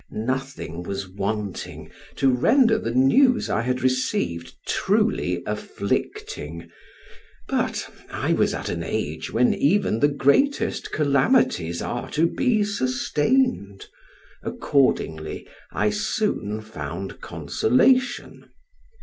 Nothing was wanting to render the news I had received truly afflicting, but I was at an age when even the greatest calamities are to be sustained; accordingly I soon found consolation.